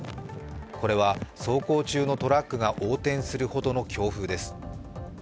これは走行中のトラックが横転するほどの強風です。